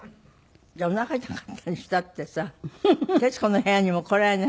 おなか痛かったにしたってさ『徹子の部屋』にも来られないぐらい痛かった？